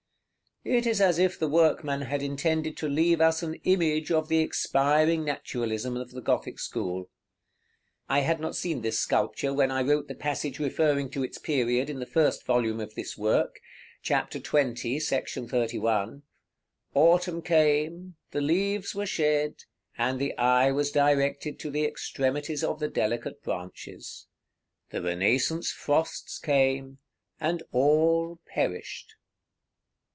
It is as if the workman had intended to leave us an image of the expiring naturalism of the Gothic school. I had not seen this sculpture when I wrote the passage referring to its period, in the first volume of this work (Chap. XX. § XXXI.): "Autumn came, the leaves were shed, and the eye was directed to the extremities of the delicate branches. _The Renaissance frosts came, and all perished!